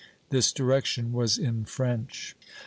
This direction was in French.